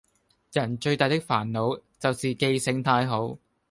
人最大的煩惱就是記性太好